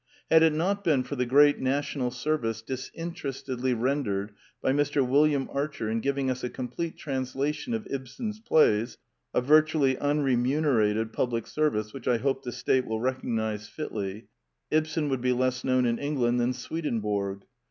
Had it not been for the great national service disinter estedly rendered by Mr. William Archer in giving us a complete translation of Ibsen's plays (a virtually unremunerated public service which I hope the State will recognize fitly), Ibsen would be less known in England than Swedenborg.